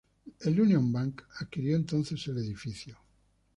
El Union Bank adquirió entonces el edificio.